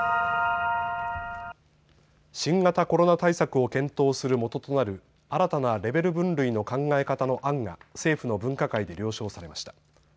新型コロナ対策を検討するもととなる新たなレベル分類の考え方の案が政府の分科会で了承されました。